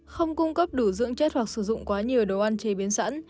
không cung cấp đủ dưỡng chất hoặc sử dụng quá nhiều đồ ăn chế biến sẵn